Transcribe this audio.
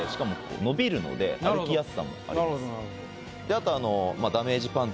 あと。